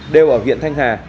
đều ở huyện thanh hà